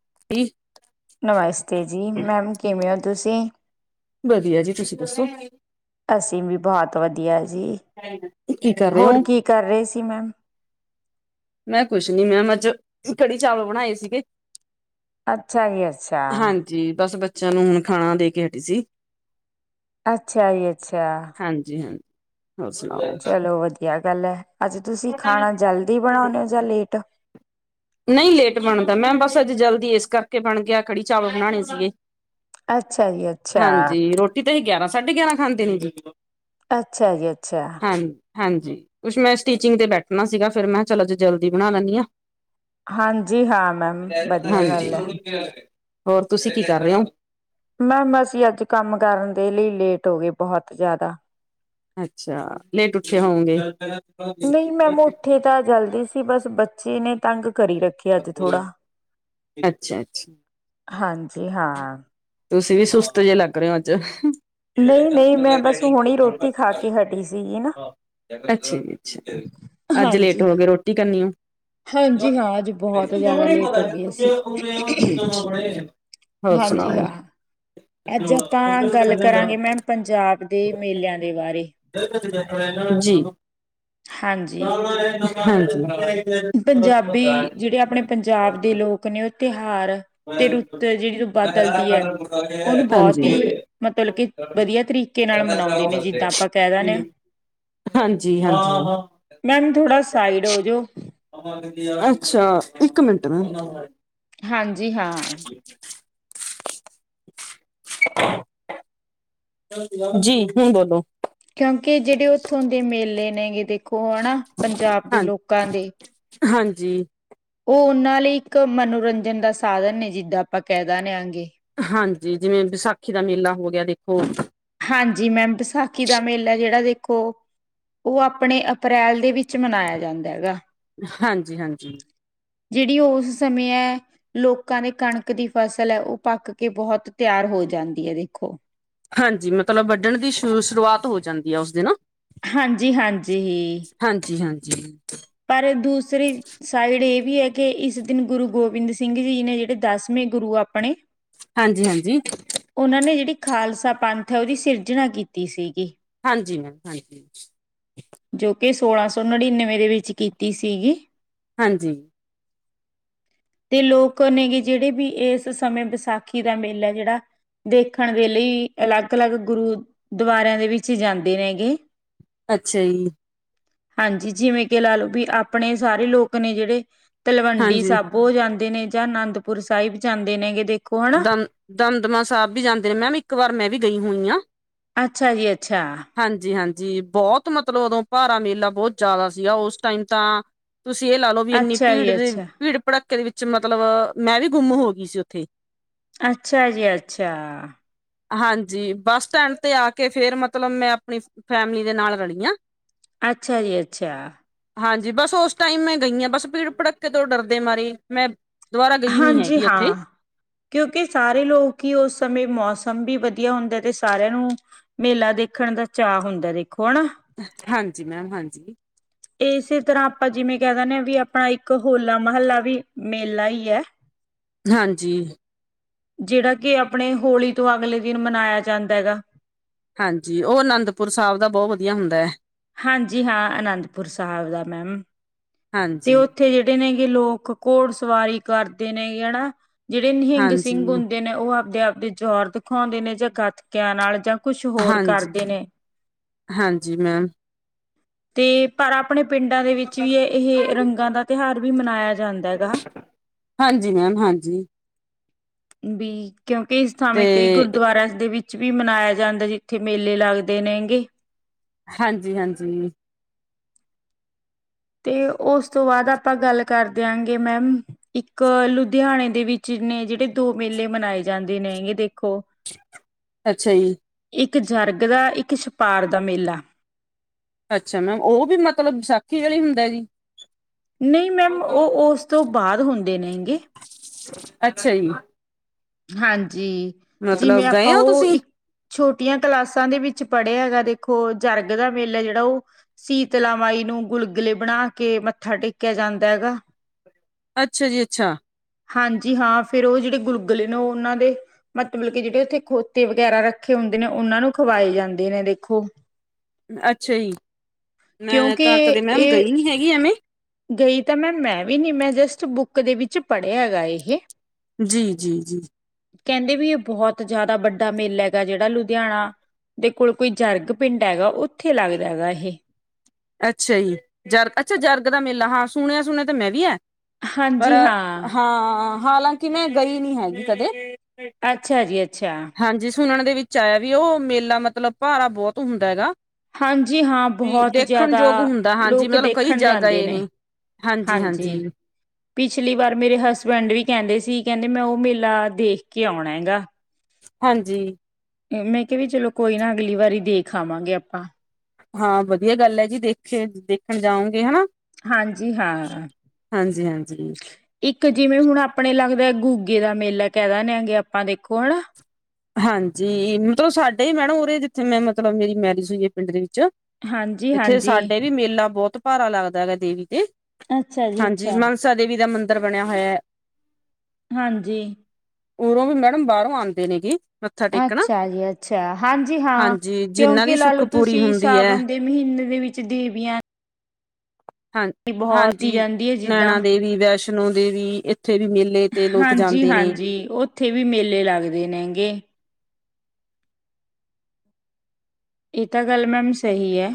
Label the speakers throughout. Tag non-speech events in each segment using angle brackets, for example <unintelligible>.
Speaker 1: <unintelligible>
Speaker 2: ਨਮਸਤੇ ਜੀ ਮੈਮ ਕਿਵੇਂ ਹੋ ਤੁਸੀਂ
Speaker 1: ਵਧੀਆ ਜੀ, ਤੁਸੀਂ ਦੱਸੋ?
Speaker 2: ਬੋਤ ਵਧੀਆ ਜੀ,
Speaker 1: ਕੀ ਕਰ ਰਹੇ ਹੋ?
Speaker 2: ਹੋਰ ਕੀ ਕਰ ਰਏ ਸੀ ਮੈਮ?
Speaker 1: ਮੈਂ ਕੁਛ ਨੀ ਮੈਮ ਅੱਜ, ਕੜੀ-ਚਾਵਲ ਬਣਾਏ ਸੀਗੇ।
Speaker 2: ਅੱਛਾ <unintelligible>
Speaker 1: ਹਾਂਜੀ, ਬੱਸ ਬ ਚੇਆਂ ਨੂੰ ਹੁਣ ਖਾਣਾ ਦੇ ਕੇ ਹਟੀ ਸੀ।
Speaker 2: ਅੱਛਾ ਈ ਅੱਛਾ।
Speaker 1: ਹਾਂਜੀ ਹਾਂਜੀ ਹੋਰ ਸੁਣਾਓ?
Speaker 2: ਚਲੋ ਵਧੀਆ ਗੱਲ ਐ, ਅੱਜ ਤੁਸੀ ਖਾਣਾ ਜਲਦੀ ਬਣਾਨੇ ਓ ਜਾ ਲੇਟ?
Speaker 1: ਨਈ ਲੇਟ ਬਣਦਾ, ਮੈਂ ਬਸ ਅੱਜ ਜਲਦੀ ਇਸ ਕਰਕੇ ਬਣ ਗਿਆ ਕੜੀ-ਚਾਵਲ ਬਣਾਣੇ ਸੀਗੇ।
Speaker 2: ਅੱਛਾ ਜੀ, ਅੱਛਾ।
Speaker 1: ਗਿਆਰਾ, ਸਾਢੇ ਗਿਆਰਾਂ ਖਾਂਦੇ ਨੇ ਜੀ।
Speaker 2: ਅੱਛਾ ਜੀ ਅੱਛਾ।
Speaker 1: ਹਾਂ ਹਾਂਜੀ, ਕੁਛ ਮੈਂ ਸਟੀਚਿੰਗ ਤੇ ਬੈਠਨਾ ਸੀਗਾ ਫਿਰ ਮੈਂ ਚਲੋ ਜਲਦੀ ਬਨਾ ਲੈਂਦੀ ਆ।
Speaker 2: ਹਾਂਜੀ ਹਾਂ ਮੈਮ, ਵਧੀਆ
Speaker 1: ਹਾਂਜੀ
Speaker 2: ਗੱਲ ਐ।
Speaker 1: ਹੋਰ ਤੁਸੀਂ ਕੀ ਕਰ ਰਏ ਓ?
Speaker 2: ਮੈਮ ਅਸੀਂ ਅੱਜ ਕੰਮ ਕਰਨ ਦੇ ਲਈ ਲੇਟ ਹੋ ਗਏ ਬੋਹਤ ਜਾ।
Speaker 1: ਅੱਛਾ, ਲੇਟ ਉੱਠੇ ਹੋਉਂਗੇ?
Speaker 2: ਨਈ ਮੈਮ ਉੱਠੇ ਤਾਂ ਚਲਦੀ ਸੀ ਬਸ ਬੱਚੇ ਨੇ ਤੰਗ ਕਰੀ ਰੱਖੇਆ ਅੱਜ ਥੋੜਾ।
Speaker 1: ਅੱਛਾ ਅੱਛਾ।
Speaker 2: ਹਾਂਜ
Speaker 1: ਤੁਸੀਂ ਵੀ ਸੁਸਤ ਜਿਹੇ ਲੱਗ ਰਏ ਓ ਅ ਅੱਜ।
Speaker 2: ਨਹੀਂ ਨਹੀਂ ਮੈਂ ਬਸ ਹੁਣੀ ਰੋਟੀ ਖਾ ਕੇ ਹਟੀ ਸੀਗੀ ਨਾ।
Speaker 1: ਅੱਛਾ ਜੀ ਅੱਛਾ, ਅੱਜ ਲੇਟ
Speaker 2: ਹਾਂਜੀ
Speaker 1: ਹੋ ਗਏ ਰੋਟੀ ਕਰਨੀ ਆ?
Speaker 2: ਹਾਂਜੀ ਹਾਂ ਅੱਜ ਬਹੁਤ ਜ਼ਿਆਦਾ ਲੇਟ ਹੋ ਗਏ ਅਸੀਂ।
Speaker 1: <inaudible> ਹੋਰ
Speaker 2: ਹਾਂਜੀ
Speaker 1: ਸੁਣਾਓ।
Speaker 2: ਹਾ, ਅੱਜ ਅੱਪਾਂ ਗੱਲ ਕਰਾਂਗੇ ਮੈਮ ਪੰਜਾਬ ਦੇ ਮੇਲਿਆਂ ਦੇ ਬਾਰੇ।
Speaker 1: ਜੀ।
Speaker 2: ਹਾਂਜੀ
Speaker 1: <inaudible> ਹਾਂਜੀ।
Speaker 2: ਪੰਜਾਬੀ, ਜਿੜੇ ਆਪਣੇ ਪੰਜਾਬ ਦੇ ਲੋਕ ਨੇ ਉ ਤੇ ਹਾਰ ਤੇ
Speaker 1: ਹਾਂਜੀ
Speaker 2: ਰੁੱਤ ਜਿੜੀ ਬਦਲਦੀ ਐ ਓ ਬੋਤ ਈ ਮਤਲਬ ਕੇ ਵਧੀਆ ਤਰੀਕੇ ਨਾਲ ਮਨਾਉਂਦੇ ਨੇ, ਜਿੱਦਾਂ ਆਪਾਂ ਕੈ
Speaker 1: ਹਾਂਜੀ
Speaker 2: ਦੇਨੇ ਆ।
Speaker 1: ਹਾਂਜੀ
Speaker 2: ਮੈਮ ਥੋੜਾ ਸਾਈਡ ਹੋ ਜੋ।
Speaker 1: ਅੱਛਾ, ਇੱਕ ਮਿੰਟ ਨਾ।
Speaker 2: ਹਾਂਜੀ ਹਾਂ।
Speaker 1: <inaudible> ਜੀ ਹੁਣ ਬੋਲੋ।
Speaker 2: ਕੇਓਂ ਕੇ ਜੇੜੇ ਉੱਥੋਂ ਦੇ ਮੇਲੇ ਨੇਗੇ ਦੇ ਖੋ ਹਣਾ, ਪੰਜਾਬ ਦੇ
Speaker 1: ਹਾਂ
Speaker 2: ਲੋਕਾਂ ਦੇ
Speaker 1: ਹਾਂਜੀ।
Speaker 2: ਓਨਾਂ ਲਈ ਇੱਕ ਮਨੋਰੰਜਨ ਦਾ ਸਾਧਨ ਨੇ ਜਿੱਦਾਂ ਆਪਾਂ ਕੈ ਦਾ ਨਾ ਆਂਗੇ।
Speaker 1: ਹਾਂ ਜੀ ਜਿਵੇਂ ਵਿਸਾਖੀ ਦਾ ਮੇਲਾ ਹੋ ਗੇਆ ਦੇਖੋ
Speaker 2: ਕੋ, ਓ ਆਪਣੇ ਅਪ੍ਰੈਲ ਦੇ ਵਿੱਚ ਮਨਾਏਆ ਜਾਂਦਾ ਹੈਗਾ।
Speaker 1: ਹਾਂਜੀ, ਹਾਂਜੀ‌।
Speaker 2: ਜੇੜੀ ਓਸ ਸਮੇਂ ਐ ਲੋਕਾਂ ਨੇ ਕਣਕ ਦੀ ਫਸਲ ਐ ਓ ਪੱਕ ਕੇ ਬੋਤ ਤਿਆਰ ਹੋ ਜਾਂਦੀ ਏ ਦੇਖੋ।
Speaker 1: ਹਾਂਜੀ, ਮਤਲਬ ਵੱਢਣ ਦੀ ਸ਼ੁਰ ਸ਼ੁਰੂਆਤ ਹੋ ਜਾਂਦੀ ਆ ਓਸ ਦਿਨ।
Speaker 2: ਹਾਂਜੀ, ਹਾਂਜੀ।
Speaker 1: <inaudible>
Speaker 2: ਪਰ ਦੂਸਰੀ ਸਾਈਡ ਇਅ ਵੀ ਐ ਕੇ ਇਸ ਦਿਨ ਗੁਰੂ ਗੋਬਿੰਦ ਸਿੰਘ ਜੀ ਨੇ ਜਿੜੇ ਦਸਵੇਂ ਗੁਰੂ ਆਪਣੇ।
Speaker 1: ਹਾਂਜੀ, ਹਾਂਜੀ।
Speaker 2: ਓਨਾਂ ਨੇ ਜਿੜੀ ਖ਼ਾਲਸਾ ਪੰਥ ਐ ਓਦੀ ਸਿਰਜਣਾ ਕੀਤੀ ਸੀਗੀ।
Speaker 1: ਹਾਂਜੀ ਮੈਮ, ਹਾਂਜੀ।
Speaker 2: ਜੋ ਕਿ ਸੋਲਾਂ ਸੌ ਨੜਿਨਵੇਂ ਦੇ ਵਿੱਚ ਕੀਤੀ ਸੀਗੀ।
Speaker 1: ਹਾਂਜੀ।
Speaker 2: ਤੇ ਲੋਕ ਨੇਗੇ ਜਿਹੜੇ ਵੀ ਏਸ ਸਮੇਂ ਵਿਸਾਖੀ ਦਾ ਮੇਲਾ ਜਿਹੜਾ ਦੇਖਣ ਦੇ ਲਈ ਅਲੱਗ ਅਲੱਗ ਗੁਰੂਦੁਆਰਿਆਂ ਦੇ ਵਿੱਚ ਜਾਂਦੇ ਨੇਗੇ।
Speaker 1: ਅੱਛਾ ਜੀ।
Speaker 2: ਹਾਂਜੀ ਜਿਵੇਂ ਕਿ ਲਾ ਲਓ ਬੀ ਆਪਣੇ ਸਾਰੇ ਲੋਕ ਨੇ ਜਿਹੜੇ ਤਲਵੰਡੀ
Speaker 1: ਹਾਂਜੀ
Speaker 2: ਸਾਬੋ ਜਾਂ ਦੇ ਨੇ ਜਾਂ ਨੰਦਪੁਰ ਸਾਹਿਬ ਜਾਂਦੇ ਨੇਗੇ ਦੇਖ
Speaker 1: ਦਮ ਦਮਦਮਾ ਸਾਹਿਬ ਵੀ ਜਾਂਦੇ ਨੇ ਮੈਮ ਇੱਕ ਵਾਰ ਮੈਂ ਵੀ ਗਈ ਹੋਈ ਹਾਂ।
Speaker 2: ਅੱਛਾ ਜੀ ਅੱਛਾ।
Speaker 1: ਜੀ ਬਹੁਤ ਮਤਲਬ ਉਦੋਂ ਭਾਰਾ ਮੇਲਾ ਬਹੁਤ ਜ਼ਿਆਦਾ ਸੀਗਾ ਉਸ ਟਾਈਮ ਤਾਂ ਤੁਸੀ ਏਹ ਲਾ ਲਓ ਵੀ ਇੰਨੀ
Speaker 2: ਅੱਛਾ
Speaker 1: ਭੀੜ
Speaker 2: ਜੀ
Speaker 1: ਦੀ
Speaker 2: ਅੱਛਾ
Speaker 1: ਭੀੜ ਭੜੱਕੇ ਦੇ ਵਿੱਚ ਮਤਲਬ ਮੈਂ ਵੀ ਗੁੰਮ ਹੋ ਗਈ ਸੀ ਓਥੇ।
Speaker 2: ਅੱਛਾ ਜੀ ਅੱਛਾ।
Speaker 1: ਹਾਂਜੀ ਬੱਸ ਸਟੈਂਡ ਤੇ ਆ ਕੇ ਫੇਰ ਮਤਲਬ ਮੈਂ ਆਪਣੀ ਫੈਮਲੀ ਦੇ ਨਾਲ ਰਲੀ ਆ।
Speaker 2: ਅੱਛਾ ਜੀ ਅੱਛਾ।
Speaker 1: ਹਾਂਜੀ ਬਸ ਉਸ ਟਾਈਮ ਮੈਂ ਗਈ ਆ ਬਸ ਭੀੜ ਭੜੱਕੇ ਤੋਂ ਡਰਦੇ ਮਾਰੀ ਮੈਂ ਦੁਬਾਰਾ ਗਈ ਨੀ
Speaker 2: ਹਾਂਜੀ
Speaker 1: ਹੈਗੀ ਉੱਥੇ।
Speaker 2: ਹਾਂ ਕਿਉਂਕਿ ਸਾਰੇ ਲੋਕ ਹੀ ਉਸ ਸਮੇਂ ਮੌਸਮ ਵੀ ਵਧੀਆ ਹੁੰਦਾ ਤੇ ਸਾਰਿਆਂ ਨੂੰ ਮੇਲਾ ਦੇਖਣ ਦਾ ਚਾਅ ਹੁੰਦਾ ਦੇਖ ਹੁਣ
Speaker 1: ਹਾਂਜੀ ਮੈਮ ਹਾਂਜੀ
Speaker 2: ਇਸੇ ਤਰ੍ਹਾਂ ਆਪਾਂ ਜਿਵੇਂ ਕਹਿ ਦਿੰਦੇ ਹ ਵੀ ਆਪਾ ਇੱਕ ਹੋਲਾ ਮਹੱਲਾ ਵੀ ਮੇਲਾ ਹੀ ਐ।
Speaker 1: ਹਾਂਜੀ।
Speaker 2: ਜਿਹੜਾ ਕਿ ਆਪਣੇ ਹੋਲੀ ਤੋਂ ਅਗਲੇ ਦਿਨ ਮਨਾਇਆ ਜਾਂਦਾ ਹੈਗਾ।
Speaker 1: ਹਾਂਜੀ ਉਹ ਅਨੰਦਪੁਰ ਸਾਹਿਬ ਦਾ ਬਹੁਤ ਵਧੀਆ ਹੁੰਦਾ ਹੈ।
Speaker 2: ਹਾਂਜੀ ਹਾਂ ਅਨੰਦਪੁਰ ਸਾਹਿਬ ਦਾ ਮੈਮ ਤੇ
Speaker 1: ਹਾਂਜੀ
Speaker 2: ਉੱਥੇ ਜਿਹੜੇ ਨੇਗੇ ਲੋਕ ਘੋੜ ਸਵਾਰੀ ਕਰਦੇ ਨੇ ਐਨਾ। ਜਿਹੜੇ ਨਿਹਿੰਗ ਸਿੰਘ
Speaker 1: ਹਾਂਜੀ
Speaker 2: ਹੁੰਦੇ ਨੇ ਉਹ ਆਪਦੇ ਆਪਦੇ ਜੋਹਰ ਦਿਖਾਉਂਦੇ ਨੇ ਜਾਂ ਗੱਤਕਿਆਂ ਨਾਲ ਜਾਂ ਕੁਛ ਹੋਰ
Speaker 1: ਹਾਂਜੀ
Speaker 2: ਕਰਦੇ ਨੇ
Speaker 1: ਹਾਂਜੀ ਮੈਂਮ।
Speaker 2: ਤੇ ਪਰ ਆਪਣੇ ਪਿੰਡਾਂ ਦੇ ਵਿੱਚ ਵੀ ਹੈ ਇਹ ਰੰਗਾਂ ਦਾ ਤਿਉਹਾਰ ਵੀ ਮਨਾਇਆ ਜਾਂਦਾ ਹੈਗਾ।
Speaker 1: ਹਾਂਜੀ ਮੈਮ ਹਾਂਜੀ।
Speaker 2: ਵੀ ਕਿਉਂਕਿ ਇਸ ਥਾਵੇਂ ਕਈ
Speaker 1: ਤੇ
Speaker 2: ਗੁਰਦੁਆਰਾਸ ਦੇ ਵਿੱਚ ਵੀ ਮਨਾਇਆ ਜਾਂਦਾ ਜਿੱਥੇ ਮੇਲੇ ਲੱਗਦੇ ਨੇ ਹੈਂਗੇ।
Speaker 1: ਹਾਂਜੀ ਹਾਂਜੀ।
Speaker 2: ਤੇ ਉਸ ਤੋਂ ਬਾਅਦ ਆਪਾਂ ਗੱਲ ਕਰ ਦਿਆਂਗੇ ਮੈਮ ਇੱਕ ਲੁਧਿਆਣੇ ਦੇ ਵਿੱਚ ਨੇ ਜਿਹੜੇ ਦੋ ਮੇਲੇ ਮਨਾਏ ਜਾਂਦੇ ਨੇ ਹੈਗੇ ਦੇਖੋ।
Speaker 1: ਅੱਛਾ ਜੀ।
Speaker 2: ਇੱਕ ਜਰਗ ਦਾ ਇੱਕ ਛਪਾਰ ਦਾ ਮੇਲਾ
Speaker 1: ਅੱਛਾ ਮੈਮ ਉਹ ਵੀ ਮਤਲਬ ਵਿਸਾਖੀ ਅਲਾ ਹੀ ਹੁੰਦਾ ਜੀ।
Speaker 2: ਨਹੀਂ ਮੈਮ ਉਹ ਉਸ ਤੋਂ ਬਾਅਦ ਹੁੰਦੇ ਨੇ ਗੇ
Speaker 1: ਅੱਛਾ ਜੀ
Speaker 2: ਹਾਂ ਜੀ ਜਿਵੇਂ
Speaker 1: ਮਤਲਬ
Speaker 2: ਆਪਾਂ
Speaker 1: ਗਏ ਹੋ
Speaker 2: ਉਹ
Speaker 1: ਤੁਸੀਂ
Speaker 2: ਇੱਕ ਛੋਟੀਆਂ ਕਲਾਸਾਂ ਦੇ ਵਿੱਚ ਪੜ੍ਹਿਆ ਹੈਗਾ ਦੇਖੋ ਜਰਗ ਦਾ ਮੇਲਾ ਜਿਹੜਾ ਉਹ ਸੀਤਲਾ ਮਾਈ ਨੂੰ ਗੁਲਗੁਲੇ ਬਣਾ ਕੇ ਮੱਥਾ ਟੇਕਿਆ ਜਾਂਦਾ ਹੈਗਾ।
Speaker 1: ਅੱਛਾ ਜੀ ਅੱਛਾ
Speaker 2: ਹਾਂਜੀ ਹਾਂ ਫੇਰ ਉਹ ਜਿਹੜੇ ਗੁਲਗੁਲੇ ਨੇ ਉਹ ਉਹਨਾਂ ਦੇ ਮਤਲਬ ਕੇ ਜਿਹੜੇ ਉੱਥੇ ਖੋਤੇ ਵਗੈਰਾ ਰੱਖੇ ਹੁੰਦੇ ਨੇ ਉਹਨਾਂ ਨੂੰ ਖਵਾਏ ਜਾਂਦੇ ਨੇ ਦੇਖੋ।
Speaker 1: ਅੱਛਾ ਜੀ ਮੈਂ
Speaker 2: ਕਿਉਂਕਿ
Speaker 1: ਤਾਂ ਕਦੇ ਮੈਮ
Speaker 2: ਇਹ
Speaker 1: ਗਈ ਨੀ ਹੈਗੀ ਐਵੇਂ
Speaker 2: ਗਈ ਤਾਂ ਮੈ ਮੈਂ ਵੀ ਨੀ ਮੈਂ ਜਸਟ ਬੁੱਕ ਕ ਦੇ ਵਿੱਚ ਪੜ੍ਹਿਆ ਹੈਗਾ ਇਹ
Speaker 1: ਜੀ -ਜੀ -ਜੀ
Speaker 2: ਕਹਿੰਦੇ ਵੀ ਇਹ ਬਹੁਤ ਜ਼ਿਆਦਾ ਵੱਡਾ ਮੇਲਾ ਹੈਗਾ, ਜਿਹੜਾ ਲੁਧਿਆਣਾ ਦੇ ਕੋਲ ਕੋਈ ਜਰਗ ਪਿੰਡ ਹੈਗਾ, ਉੱਥੇ ਲੱਗਦਾ ਹੈਗਾ ਇਹ
Speaker 1: ਅੱਛਾ ਜੀ ਜਰਗ ਅੱਛਾ ਜਰਗ ਦਾ ਮੇਲਾ ਹਾਂ। ਸੁਣਿਆ ਸੁਣਿਆ ਤਾਂ ਮੈਂ ਵੀ ਐ। ਪਰ
Speaker 2: ਹਾਂਜੀ ਹਾਂ,
Speaker 1: ਹਾਂ। ਹਾਲਾਂਕਿ ਮੈਂ ਗਈ ਨੀ ਹੈਗੀ ਕਦੇ
Speaker 2: ਅੱਛਾ ਜੀ ਅੱਛਾ
Speaker 1: ਹਾਂਜੀ ਸੁਣਨ ਦੇ ਵਿੱਚ ਆਇਆ ਵੀ ਉਹ ਮੇਲਾ ਮਤਲਬ ਭਾਰਾ ਬਹੁਤ ਹੁੰਦਾ ਹੈਗਾ।
Speaker 2: ਹਾਂਜੀ ਹਾਂ
Speaker 1: ਵੀ
Speaker 2: ਬਹੁਤ ਜ਼ਿਆਦਾ
Speaker 1: ਦੇਖਣ ਯੋਗ ਹੁੰਦਾ ਹਾਂਜੀ
Speaker 2: ਲੋਕ
Speaker 1: ਮਤਲਬ ਕਈ
Speaker 2: ਦੇਖਣ
Speaker 1: ਜਾ
Speaker 2: ਜਾਂਦੇ
Speaker 1: ਗਏ ਨੇ।
Speaker 2: ਹਾਂਜੀ ਪਿਛਲੀ ਵਾਰ ਮੇਰੇ ਹਸਬੈਂਡ ਵੀ ਕਹਿੰਦੇ ਸੀ। ਕਹਿੰਦੇ ਮੈਂ ਉਹ ਮੇਲਾ ਦੇਖ ਕੇ ਆਉਣਾ ਹੈਗਾ।
Speaker 1: ਹਾਂਜੀ
Speaker 2: ਮੈਂ ਕਿਹਾ ਵੀ ਚਲੋ ਕੋਈ ਨਾ ਅਗਲੀ ਵਾਰੀ ਦੇਖ ਆਵਾਂਗੇ ਆਪਾਂ
Speaker 1: ਹਾਂ ਵਧੀਆ ਗੱਲ ਹੈ, ਜੀ ਦੇਖੇ ਦੇਖਣ ਜਾਓਗੇ ਹਨਾ।
Speaker 2: ਹਾਂਜੀ ਹਾਂ
Speaker 1: ਹਾਂਜੀ ਹਾਂਜੀ
Speaker 2: ਇੱਕ ਜਿਵੇਂ ਹੁਣ ਆਪਣੇ ਲੱਗਦਾ। ਗੁੱਗੇ ਦਾ ਮੇਲਾ ਕਹਿ ਦਦੇਿਆਂਗੇ ਆਪਾਂ ਦੇਖੋ ਹਨਾ।
Speaker 1: ਹਾਂਜੀ ਮਤਲਬ ਸਾਡੇ ਹੀ ਮੈਡਮ ਉਰੇ ਜਿੱਥੇ ਮੈਂ ਮਤਲਬ ਮੇਰੀ ਮੈਰਿਜ ਹੋਈ ਹੈ ਪਿੰਡ ਦੇ ਇੱਥੇ
Speaker 2: ਹਾਂਜੀ-ਹਾਂਜੀ,
Speaker 1: ਸਾਡੇ ਵੀ ਮੇਲਾ ਬਹੁਤ ਭਾਰਾ ਲੱਗਦਾ ਹੈਗਾ ਦੇਵੀ ਤੇ
Speaker 2: ਅੱਛਾ ਜੀ
Speaker 1: ਹਾਂਜੀ
Speaker 2: ਅੱਛਾ,
Speaker 1: ਮਾਨਸਾ ਦੇਵੀ ਦਾ ਮੰਦਿ ਅੰਧਦਰ ਬਣਿਆ ਹੋਇਆ।
Speaker 2: ਹਾਂਜੀ
Speaker 1: ਉਰੋਂ ਵੀ ਮੈਡਮ ਬਾਹਰੋਂ ਆਂਦੇ ਨੇਗੇ। ਮੱਥਾ ਟੇਕਣਾ
Speaker 2: ਅੱਛਾ ਜੀ ਅੱਛਾ, ਹਾਂਜੀ ਹਾਂ
Speaker 1: ਹਾਂਜੀ ਜਿੰਨਾਂ ਦੀ
Speaker 2: ਕਿਉਂਕਿ ਲਾ
Speaker 1: ਸੁੱਖ
Speaker 2: ਲਓ
Speaker 1: ਪੂਰੀ
Speaker 2: ਤੁਸੀਂ
Speaker 1: ਹੁੰਦੀ ਹੈ
Speaker 2: ਸਾਵਣ ਦੇ ਮਹੀਨੇ ਦੇ ਵਿੱਚ ਦੇਵੀਆਂ
Speaker 1: ਹਾਂ
Speaker 2: ਦੀ ਬਹੁਤ ਹੀ
Speaker 1: ਹਾਂਜੀ
Speaker 2: ਜਾਂਦੀ ਹੈ ਜਿੱਦਾਂ
Speaker 1: ਨੈਣਾ ਦੇਵੀ, ਵੈਸ਼ਨੋ ਵੈਸ਼ਨੋ ਦੇਵੀ ਵੀ ਮੇਲੇ ਤੇ ਲੋਕ
Speaker 2: ਹਾਂਜੀ
Speaker 1: ਜਾਂਦੇ ਨੇ
Speaker 2: ਹਾਂਜੀ, ਉੱਥੇ ਵੀ ਮੇਲੇ ਲੱਗਦੇ ਨੇ ਹੈਂਗੇ। ਇਹ ਤਾਂ ਗੱਲ ਮੈਮ ਸਹੀ ਹੈ।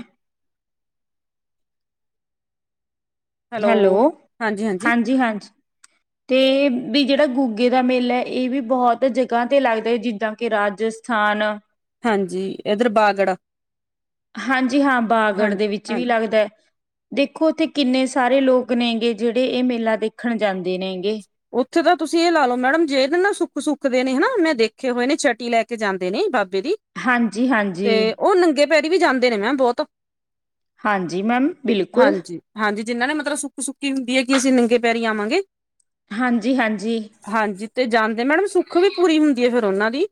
Speaker 2: ਹੈਲੋ ਹਾਂਜੀ ਹਾਂਜੀ, ਤੇ ਵੀ ਜਿਹੜਾ ਗੁੱਗੇ ਦਾ ਮੇਲਾ ਐ ਇਹ ਵੀ ਬਹੁਤ ਜਗ੍ਹਾ ਤੇ ਲੱਗਦਾ ਹੈ ਜਿੱਦਾਂ ਕਿ ਰਾਜਸਥਾਨ
Speaker 1: ਹਾਂਜੀ ਇੱਧਰ ਬਾਗੜਾ
Speaker 2: ਹਾਂਜੀ ਹਾਂ
Speaker 1: ਹਾਂ
Speaker 2: ਬਾਗੜ ਦੇ ਵਿੱਚ
Speaker 1: ਹਾਂ
Speaker 2: ਵੀ ਲੱਗਦਾ। ਦੇਖੋ ਉੱਥੇ ਕਿੰਨੇ ਸਾਰੇ ਲੋਕ ਨੇਗੇ ਜਿਹੜੇ ਇਹ ਮੇਲਾ ਦੇਖਣ ਜਾਂਦੇ ਨੇਗੇ।
Speaker 1: ਉੱਥੇ ਤਾਂ ਤੁਸੀਂ ਇਹ ਲਾ ਲਓ ਮੈਡਮ ਜਿਹੜੇ ਨਾ ਸੁੱਖ ਸੁੱਕਦੇ ਨੇ ਹਨਾ ਮੈਂ ਦੇਖੇ ਹੋਏ ਨੇ ਛਟੀ ਲੈ ਕੇ ਜਾਂਦੇ ਨੇ, ਛੱਟੀ ਲੈਣ ਕੇ ਜਾਂਦੇ ਨੇ ਦੀ
Speaker 2: ਹਾਂਜੀ
Speaker 1: ਤੇ
Speaker 2: ਹਾਂਜੀ
Speaker 1: ਉਹ ਨੰਗੇ ਪੈੜੀ ਵੀ ਜਾਂਦੇ ਨੇ ਮੈਂ ਬਹੁਤ।
Speaker 2: ਹਾਂਜੀ ਮੈਮ ਬਿਲਕੁਲ।
Speaker 1: ਜਿਹਨ੍ਹਾਂ ਨੇ ਮਤਲਬ ਸੁੱਕ ਸੁੱਕੀ ਹੁੰਦੀ ਹੈ, ਕਿ ਅਸੀਂ ਨੰਗੇ ਪੈਰੀ ਆਵਾਂਗੇ
Speaker 2: ਹਾਂਜੀ ਹਾਂਜੀ।
Speaker 1: ਹਾਂਜੀ ਤੇ ਜਾਂਦੇ ਨੇ ਮੈਡਮ ਸੁੱਖ ਵੀ ਪੂਰੀ ਹੁੰਦੀ ਹੈ, ਫਿਰ ਉਹਨਾਂ ਦੀ।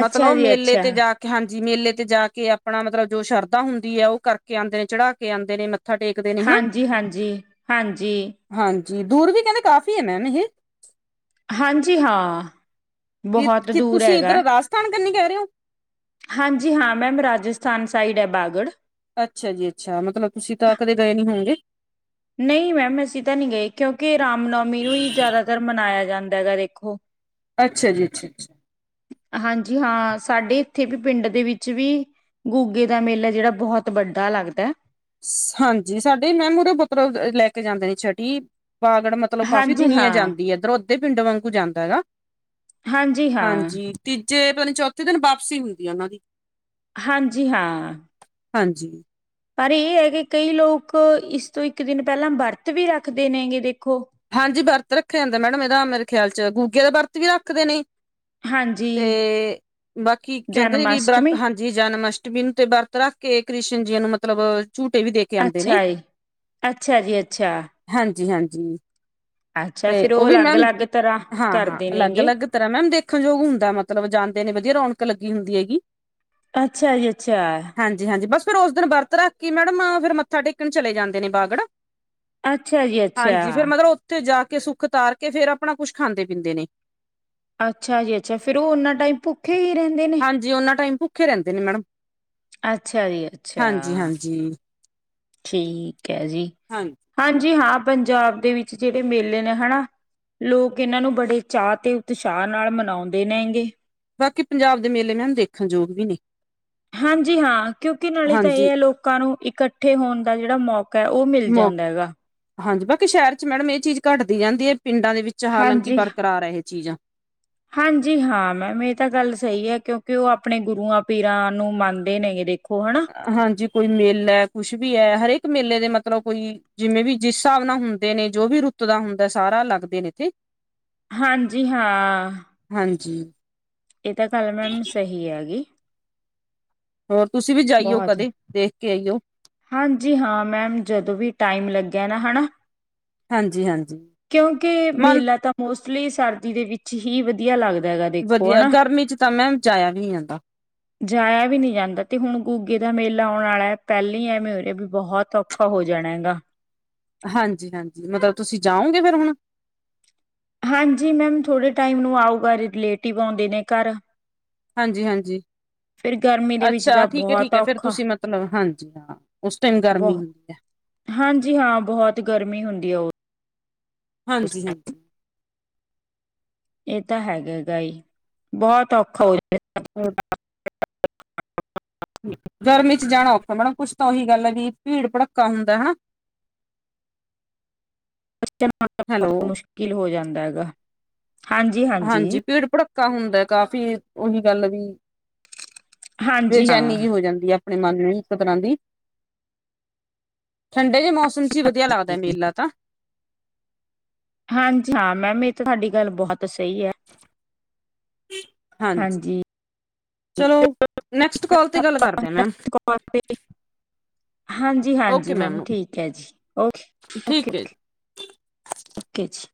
Speaker 2: ਅੱਛਾ ਜੀ
Speaker 1: ਮੇਲੇ
Speaker 2: ਅੱਛਾ
Speaker 1: ਤੇ ਜਾ ਕੇ ਹਾਂਜੀ ਜੀ ਮੇਲੇ ਤੇ ਜਾ ਕੇ ਆਪਣਾ ਮਤਲਬ ਜੋ ਸ਼ਰਧਾ ਹੁੰਦੀ ਹੈ, ਉਹ ਕਰਕੇ ਆਂਦੇ ਨੇ ਚੜਾ ਕੇ ਆਂਦੇ ਨੇ ਮੱਥਾ ਟੇਕਦੇ ਨੇ ਹਨਾ
Speaker 2: ਹਾਂਜੀ ਹਾਂਜੀ, ਹਾਂਜੀ।
Speaker 1: ਹਾਂਜੀ ਦੂਰ ਵੀ ਕਹਿੰਦੇ ਕਾਫੀ ਨਾਂੈ <unintelligible> ਨ
Speaker 2: ਹਾਂਜੀ ਹਾਂ।
Speaker 1: ਇਹ
Speaker 2: ਬਹੁਤ
Speaker 1: ਕਿ
Speaker 2: ਦੂਰ
Speaker 1: ਤੁਸੀਂ
Speaker 2: ਹੈਗਾ,
Speaker 1: ਇੱਧਰ ਰਾਜਸਥਾਨ ਕੰਨੀ ਕਹਿ ਰਹੇ ਹੋ
Speaker 2: ਹਾਂਜੀ ਹਾਂ ਮੈਮ ਰਾਜਸਥਾਨ ਸਾਈਡ ਹੈ, ਬਾਗੜ
Speaker 1: ਅੱਛਾ ਜੀ ਅੱਛਾ ਮਤਲਬ ਤੁਸੀਂ ਤਾਂ ਕਦੇ ਗਏ ਨੀ ਹੋਂਗੇ।
Speaker 2: ਨਹੀਂ ਮੈਮ, ਅਸੀਂ ਤਾਂ ਨਹੀਂ ਗਏ ਕਿਉਂਕਿ ਰਾਮ ਨੌਮੀ ਨੂੰ ਹੀ ਜ਼ਿਆਦਾਤਰ ਮਨਾਇਆ ਜਾਂ ਦਾ ਹੈ, ਦੇਖੋ।
Speaker 1: ਅੱਛਾ ਜੀ ਅੱਛਾ ਅੱਛਾ।
Speaker 2: ਹਾਂਜੀ ਹਾਂ ਸਾਡੇ ਇੱਥੇ ਵੀ ਪਿੰਡ ਦੇ ਵਿੱਚ ਵੀ ਗੁਗੇ ਦਾ ਮੇਲਾ ਜਿਹੜਾ ਬਹੁਤ ਵੱਡਾ ਲੱਗਦ।
Speaker 1: ਹਾਂਜੀ ਸਾਡੇ ਮੈਮ ਉਰੇੋਂ ਪੁੱਤਰੋਂ ਲੈ ਕੇ ਜਾਂਦੇ ਨੇ ਛਟੀ ਵਾਗੜ ਮਤਲਬ ਕਾਫ਼ੀ
Speaker 2: ਹਾਂਜੀ
Speaker 1: ਦੁਨੀਆਂ
Speaker 2: ਹਾਂ
Speaker 1: ਜਾਂਦੀ ਹੈ ਇੱਧਰ ਉੱ ਪਿੰਡ ਵਾਂਗੂ ਜਾਂਦਾ ਹੈਗਾ।
Speaker 2: ਹਾਂਜੀ ਹਾਂ।
Speaker 1: ਜੇ ਪਤਾ ਚੌਥੇ ਦਿਨ ਵਾਪਸੀ ਹੁੰਦੀ ਆ ਉਹਨਾਂ ਦੀ।
Speaker 2: ਹਾਂਜੀ ਹਾਂ।
Speaker 1: ਹਾਂਜੀ
Speaker 2: ਪਰ ਇਹ ਹੈ, ਕਿ ਕਈ ਲੋਕ ਇਸ ਤੋਂ ਇੱਕ ਦਿਨ ਪਹਿਲਾਂ ਵਰਤ ਵੀ ਰੱਖਦੇ ਨੇਗੇ ਦੇ
Speaker 1: ਹਾਂਜੀ ਵਰਤ ਰੱਖਿਆ ਜਾਂਦਾ ਮੈਡਮ ਇਹਦਾ ਮੇਰੇ ਖਿਆਲ ਚ ਗ ਗਗੇ ਦਾ ਵਰਤ ਵੀ ਰੱਖਦੇ ਨੇ
Speaker 2: ਹਾਂਜੀ
Speaker 1: ਤੇ ਬਾਕੀ ਕਹਿੰਦੇ ਨੇ
Speaker 2: ਜਨਮ
Speaker 1: ਵੀ ਵਰਤ
Speaker 2: ਅਸ਼ਟਮੀ
Speaker 1: ਹਾਂਜੀ ਜਨਮ ਅਸ਼ਟਮੀ ਨੂੰ ਤੇ ਵਰਤ ਰੱਖ ਕੇ ਕ੍ਰਿਸ਼ਨ ਜੀ ਨੂੰ ਮਤਲਬ ਝੂਟੇ ਵੀ ਦੇ ਕੇ ਆਉਂਦੇ
Speaker 2: ਅੱਛਾ
Speaker 1: ਨੇ
Speaker 2: ਜੀ-ਅੱਛਾ ਜੀ- ਅੱਛਾ
Speaker 1: ਜੀ
Speaker 2: ਅੱਛਾ
Speaker 1: ਤੇ
Speaker 2: ਫਿਰ
Speaker 1: ਉਹ ਵੀ
Speaker 2: ਅਲੱਗ
Speaker 1: ਮੈਮ
Speaker 2: ਅਲੱਗ ਤਰ੍ਹਾਂ
Speaker 1: ਹਾਂ-ਹਾਂ
Speaker 2: ਕਰਦੇ ਨੇਗੇ
Speaker 1: ਅਲੱਗ-ਅਲੱਗ ਤਰ੍ਹਾਂ ਮੈਮ ਦੇਖਣਯੋਗ ਹੁੰਦਾ ਮਤਲਬ ਜਾਂਦੇ ਨੇ ਵਧੀਆ ਰੌਣਕ ਲੱਗੀ ਹੁੰਦੀ ਹੈਗੀ <unintelligible>
Speaker 2: ਅੱਛਾ ਜੀ ਅੱਛਾ
Speaker 1: ਫੇਰ ਉਸ ਦਿਨ ਵਰਤ ਰੱਖ ਕੇ ਮੈਡਮ ਫਿਰ ਮੱਥਾ ਟੇਕਣ ਚਲੇ ਜਾਂਦੇ ਨੇ ਬਾਗੜ
Speaker 2: ਅੱਛਾ ਜੀ ਅੱਛਾ।
Speaker 1: ਉਥੇ ਜਾ ਕੇ ਸੁੱਖ ਉਤਾਰ ਕੇ ਫੇਰ ਆਪਣਾ ਕੁਛ ਖਾਂਦੇ ਪੀਂਦੇ ਨੇ-
Speaker 2: ਅੱਛਾ ਜੀ ਅੱਛਾ ਫਿਰ ਉਹਨਾ ਟਾਈਮ ਭੁੱਖ।
Speaker 1: ਹਾਂਜੀ ਉਹਨਾ ਟਾਈਮ ਭੁ ਖੇ ਰਹਿੰਦੇ ਨੇ ਮੈਡਮ
Speaker 2: ਅੱਛਾ ਜੀ। ਅੱਛਾ
Speaker 1: ਹਾਂਜੀ-ਹਾਂਜੀ।
Speaker 2: ਠੀਕ ਹੈ। ਜੀ
Speaker 1: ਹਾਂਜੀ।
Speaker 2: ਹਾਂਜੀ ਹਾਂ। ਪੰਜਾਬ ਦੇ ਵਿੱਚ ਜਿਹੜੇ ਮੇਲੇ ਨੇ ਹਨਾ। ਲੋਕ ਇਹਨਾਂ ਨੂੰ ਬੜੇ ਚਾਅ ਤੇ ਉਤਸ਼ਾਹ ਨਾਲ ਮਨਾਉਂਦੇ ਰਹਿਣਗੇ।
Speaker 1: ਬਾਕੀ ਪੰਜਾਬ ਦੇ ਮੇਲੇ ਮੈਮ ਦੇਖਣ ਯੋਗ ਵੀ ਨੇ
Speaker 2: ਹਾਂਜੀ ਹਾਂ ਕਿਉਂਕਿ ਨਾਲੇ ਤਾਂ ਇਹ
Speaker 1: ਹਾਂਜੀ
Speaker 2: ਹੈ। ਲੋਕਾਂ ਨੂੰ ਇਕੱਠੇ ਹੋਣ ਦਾ ਜਿਹੜਾ ਮੌਕਾ ਉਹ ਮਿਲ
Speaker 1: ਮੌ
Speaker 2: ਜਾਂਦਾ ਹੈਗਾ।
Speaker 1: ਹਾਂਜੀ ਬਾਕੀ ਸ਼ਹਿਰ ਚ ਮੈਡਮ ਇਹ ਚੀਜ਼ ਘੱਟਦੀ ਜਾਂਦੀ ਹੈ। ਪਿੰਡਾਂ ਦੇ ਵਿੱਚ ਹਾਲਾਂਕਿ
Speaker 2: ਹਾਂਜੀ
Speaker 1: ਬਰਕਰਾਰ ਇਹ ਚੀਜ਼ਾਂ
Speaker 2: ਹਾਂਜੀ ਹਾਂ ਮੈਮ ਇਹ ਤਾਂ ਗੱਲ ਸਹੀ ਹੈ। ਕਿਉਂਕਿ ਉਹ ਆਪਣੇ ਗੁਰੂਆਂ ਪੀਰਾਂ ਨੂੰ ਮੰਨਦੇ ਨੇ ਜਿਹੜੇ
Speaker 1: ਹਾਂਜੀ ਕੋਈ ਮੇਲਾ ਹੈ ਕੁਛ ਵੀ ਹੈ ਹਰੇਕ ਮੇਲੇ ਦੇ ਮਤਲ ਮਤਲਬ ਕੋਈ ਜਿਵੇਂ ਵੀ ਜਿਸ ਹਿਸਾਬ ਨਾਲ ਹੁੰਦੇ ਨੇ ਜੋ ਵੀ ਰੁੱਤ ਦਾ ਹੁੰਦਾ ਸਾਰਾ ਲੱਗਦੇ ਨੇ ਇੱਥੇ
Speaker 2: ਹਾਂਜੀ ਹਾਂ।
Speaker 1: ਹਾਂਜੀ
Speaker 2: ਇਹ ਤਾਂ ਗੱਲ ਮੈਮ ਸਹੀ ਆਗੀ।
Speaker 1: ਹੋਰ ਤੁਸੀਂ ਵੀ ਜਾਈਓ ਕਦੇ ਦੇਖ ਕੇ ਆਈਓ
Speaker 2: ਹਾਂਜੀ ਹਾਂ ਮੈਮ ਜਦੋਂ ਵੀ ਟਾਈਮ ਲੱਗਿਆ ਨਾ ਹੈ। ਨਾ
Speaker 1: ਹਾਂਜੀ ਹਾਂਜੀ
Speaker 2: ਕਿਉਂਕਿ
Speaker 1: ਮਨ
Speaker 2: ਮੇਲਾ ਤਾਂ ਮੋਸਮ ਉਸ ਲਈ ਸਰਦੀ ਦੇ ਵਿੱਚ ਹੀ ਵਧੀਆ ਲੱਗਦਾ। ਦੇਖੋ
Speaker 1: ਵਧੀਆ
Speaker 2: ਹਣਾ,
Speaker 1: ਗਰਮੀ ਚ ਤਾਂ ਮੈਮ ਜਾਇਆ ਵੀ ਨਹੀਂ ਜਾਂਦਾ
Speaker 2: ਜਾਏਆ ਵੀ ਨਈ ਜਾਂਦਾ ਤੇ ਹੁਣ ਗੁੱਗੇ ਦਾ ਮੇਲਾ ਆਉਣ ਆ ਏ ਪੈਲ ਨੀ ਐਵੇਂ ਉਰੇ ਵੀ ਬੋਤ ਔਖਾ ਹੋ ਜਾਣਾ ਹੈਗਾ।
Speaker 1: ਹਾਂਜੀ, ਹਾਂਜੀ, ਮਤਬ ਤੁਸੀਂ ਜਾਓਗੇ ਫੇਰ ਹੁਣ?
Speaker 2: ਹਾਂਜੀ ਮੈਮ, ਥੋੜੇ ਟਾਈਮ ਨੂੰ ਆਊਗਾ ਰਿਲੇਟਿਵ ਆਉਂਦੇ ਨੇ ਘਰ
Speaker 1: ਹਾਂਜੀ, ਹਾਂਜੀ
Speaker 2: ਫਿਰ ਗਰਮੀ ਦੇ ਵਿੱਚ
Speaker 1: ਅੱਛਾ
Speaker 2: ਤਾਂ
Speaker 1: ਠੀਕ ਐ, ਠੀਕ
Speaker 2: ਬਹੁਤ
Speaker 1: ਐ। ਫਿਰ
Speaker 2: ਔਖਾ
Speaker 1: ਤੁਸੀਂ ਮਤਲਬ ਹਾਂਜੀ ਹਾਂ ਉਸ ਟਾਈਮ ਗਰਮੀ
Speaker 2: ਬਹੁਤ
Speaker 1: ਹੁੰਦੀ ਹੈ।
Speaker 2: ਹਾਂਜੀ ਹਾਂ ਬਹੁਤ ਗਰਮੀ ਹੁੰਦੀ ਆ ਉਹ,
Speaker 1: ਹਾਂਜੀ, ਹਾਂਜੀ।
Speaker 2: ਇਹ ਤਾਂ ਹੈਗੇ ਗਾਈ, ਬੋਤ ਔਖਾ ਹੋ ਜਾ
Speaker 1: ਹ
Speaker 2: <inaudible>
Speaker 1: ਗਰਮੀ ਚ ਜਾਣਾ ਔਖਾ ਮੈਡਮ ਕੁਛ ਤਾਂ ਓਹੀ ਗੱਲ ਐ ਵੀ ਭੀੜ ਭੜੱਕਾ ਹੁੰਦਾ ਹੈਣਾ।
Speaker 2: <inaudible> ਬੋਤ ਮੁਸ਼ਕਿਲ ਹੋ ਜਾ ਹੁੰਦਾ ਹੈਗਾ। ਹਾਂਜੀ, ਹਾਂਜੀ।
Speaker 1: ਕਾ ਹੁੰਦਾ ਕਾਫੀ, ਓਹੀ ਗੱਲ ਵੀ
Speaker 2: ਹਾਂਜੀ
Speaker 1: ਬੇਚੈਨੀ ਜੀ
Speaker 2: ਹਾਂ
Speaker 1: ਹੋ ਜਾਂਦੀ ਆ। ਆਪਣੇ ਮਨ ਨੂੰ ਇਕ ਤਰ੍ਹਾਂ ਦੀ, ਠੰਡੇ ਜਿਹੇ ਮੌਸਮ ਚ ਹੀ ਵਧੀਆ ਲੱਗਦਾ ਮੇਲਾ ਤਾਂ
Speaker 2: ਹਾਂਜੀ ਹਾਂ, ਮੈਮ ਇਅ ਤਾਂ ਤੁਹਾਡੀ ਗੱਲ ਬੋਤ ਤਾ ਸਹੀ ਐ। ਹਾਂਜੀ,
Speaker 1: ਚਲੋ ਨੈਕਸਟ ਕਾਲ ਤੇ ਗੱਲ ਕਰਦੇ ਮੈਮ
Speaker 2: ਹਾਂਜੀ ਹਾਂਜੀ, ਮੈਮ ਠੀਕ ਐ ਜੀ, ਓਕੇ ਓ,
Speaker 1: ਠੀਕ ਹੈ
Speaker 2: ਓਕੇ ਜੀ।